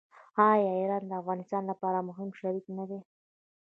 آیا ایران د افغانستان لپاره مهم شریک نه دی؟